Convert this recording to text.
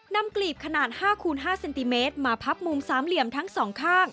กลีบขนาด๕คูณ๕เซนติเมตรมาพับมุมสามเหลี่ยมทั้งสองข้าง